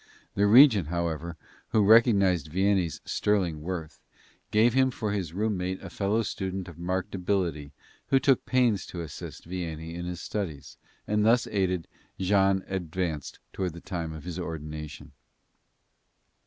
The regent, however, who recognized Vianney's sterling worth, gave him for his room mate a fellow student of marked ability who took pains to assist Vianney in his studies, and thus aided, Jean advanced toward the time of his ordination.